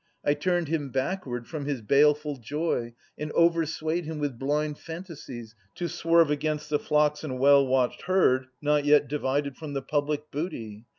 I turned him backward from his baleful joy, And overswayed him with blind phantasies, To swerve against the flocks and well watched herd Not yet divided from the public booty.